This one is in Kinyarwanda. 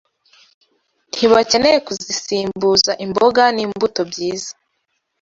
ntibakeneye kuzisimbuza imbuto n’imboga byiza,